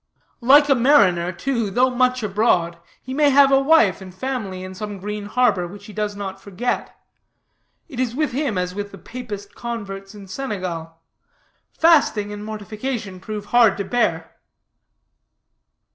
Like a mariner, too, though much abroad, he may have a wife and family in some green harbor which he does not forget. It is with him as with the Papist converts in Senegal; fasting and mortification prove hard to bear.'